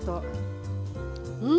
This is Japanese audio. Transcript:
うん！